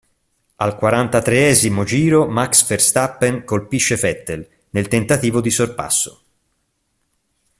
Al quarantatreesimo giro Max Verstappen colpisce Vettel, nel tentativo di sorpasso.